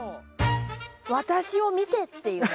「私を見て！」っていうね。